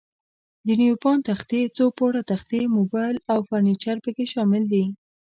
د نیوپان تختې، څو پوړه تختې، موبل او فرنیچر پکې شامل دي.